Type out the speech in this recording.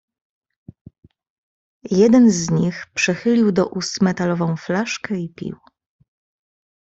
"Jeden z nich przechylił do ust metalową flaszkę i pił."